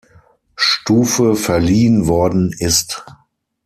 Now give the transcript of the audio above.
Stufe verliehen worden ist.